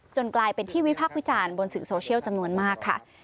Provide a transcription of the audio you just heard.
กลายเป็นที่วิพักษ์วิจารณ์บนสื่อโซเชียลจำนวนมากค่ะ